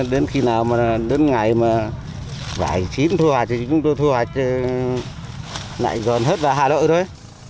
đến khi nào mà đến ngày mà vải chín thu hoạch thì chúng tôi thu hoạch lại gòn hết vào hà nội thôi